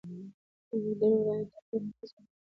د اورېدنې وړاندې تحقیق ناقص ګڼل کېږي.